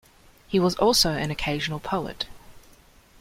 He was also an occasional poet.